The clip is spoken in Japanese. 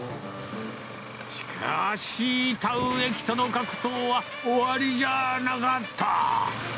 しかし、田植え機との格闘は終わりじゃなかった。